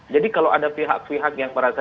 jadi kalau ada pihak pihak yang merasa